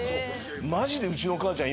マジでうちのお母ちゃん